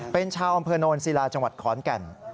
เป็นชาวอำเภอโนนศิลาจังหวัดขอนแก่น